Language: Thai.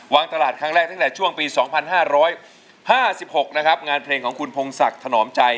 ตลาดครั้งแรกตั้งแต่ช่วงปี๒๕๕๖นะครับงานเพลงของคุณพงศักดิ์ถนอมใจ